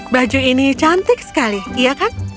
baju ini cantik sekali iya kan